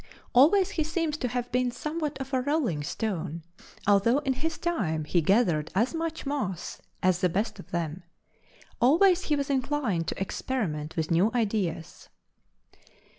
Always he seems to have been somewhat of a rolling stone, although in his time he gathered as much moss as the best of them: always he was inclined to experiment with new ideas.